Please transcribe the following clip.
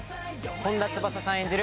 本田翼さん演じる